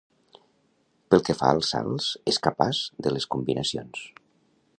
Pel que fa als salts, és capaç de les combinacions.